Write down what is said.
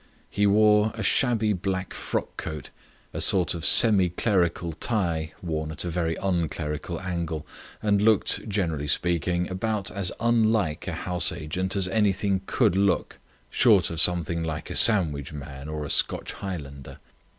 He wore a shabby black frock coat, a sort of semi clerical tie worn at a very unclerical angle, and looked, generally speaking, about as unlike a house agent as anything could look, short of something like a sandwich man or a Scotch Highlander.